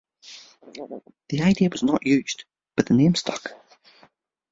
The idea was not used but the name stuck.